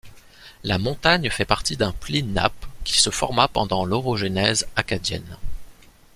La montagne fait partie d’un pli nappe qui se forma pendant l’orogenèse Acadienne.